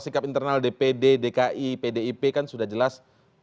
sikap internal dpd dki pdip kan sudah jelas